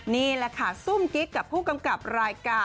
นี่แหละค่ะซุ่มกิ๊กกับผู้กำกับรายการ